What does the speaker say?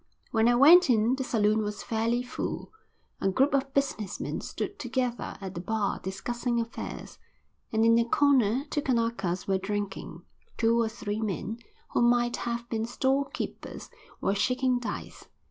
When I went in the saloon was fairly full. A group of business men stood together at the bar, discussing affairs, and in a corner two Kanakas were drinking. Two or three men who might have been store keepers were shaking dice.